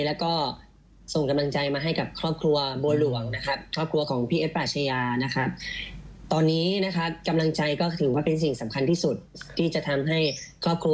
แล้วก็ส่งกำลังใจมาให้กับครอบครัวบัวหล่วงของพี่เอ๊ะซ์ประชชานนะครับ